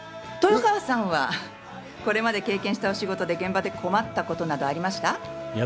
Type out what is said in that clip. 豊川さんはこれまで経験したお仕事でこれまで困ったことなどありました？